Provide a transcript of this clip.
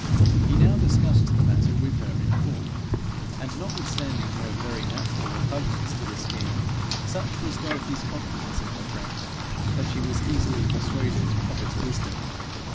He now discussed the matter with her in full, and, notwithstanding her very natural repugnance to the scheme, such was Dorothy's confidence in her friend that she was easily persuaded of its wisdom.